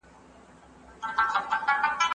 موږه كرلي دي